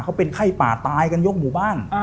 เขาเป็นไข้ป่าตายกันยกหมู่บ้าน